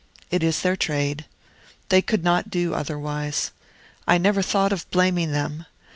It is their trade. They could not do otherwise. I never thought of blaming them.